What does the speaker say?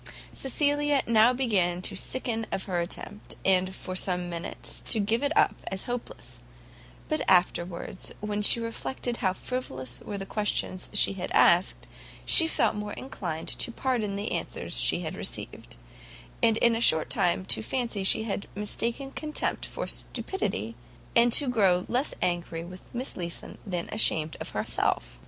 Cecilia now began to sicken of her attempt, and for some minutes to give it up as hopeless; but afterwards when she reflected how frivolous were the questions she had asked, she felt more inclined to pardon the answers she had received, and in a short time to fancy she had mistaken contempt for stupidity, and to grow less angry with Miss Leeson than ashamed of herself.